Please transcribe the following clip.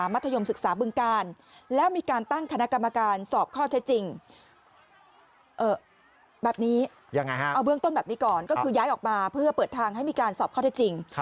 เพื่อเปิดทางให้มีการสอบข้อเท็จจริง